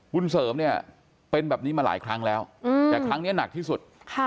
เสริมเนี่ยเป็นแบบนี้มาหลายครั้งแล้วแต่ครั้งนี้หนักที่สุด